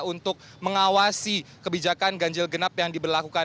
untuk mengawasi kebijakan ganjil genap yang diberlakukan